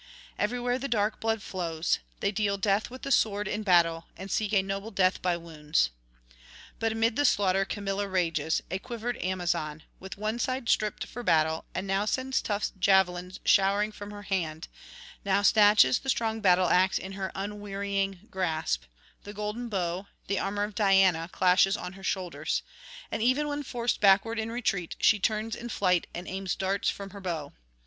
Everywhere the dark blood flows; they deal death with the sword in battle, and seek a noble death by wounds. But amid the slaughter Camilla rages, a quivered Amazon, with one side stripped for battle, and now sends tough javelins showering from her hand, now snatches the strong battle axe in her unwearying grasp; the golden bow, the armour of Diana, clashes on her shoulders; and even when forced backward in retreat, she turns in flight and [654 691]aims darts from her bow.